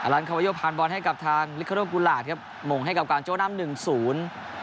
อลันคาวโยผ่านบอลให้กับทางลิคาโรกุลาสครับมงให้กับกวางโจน้ำหนึ่งสูญ